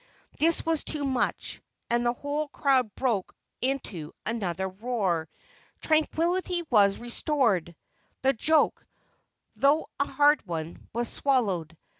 This was too much, and the whole crowd broke into another roar. Tranquillity was restored! The joke, though a hard one, was swallowed.